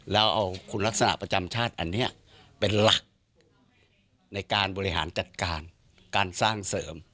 แล้วเอาคุณลักษณะประจำชาติอันนี้เป็นหลักในการบริหารจัดการการสร้างเสริม